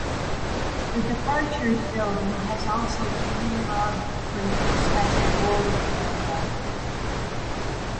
The departures building has also been remodelled for use as a boarding area.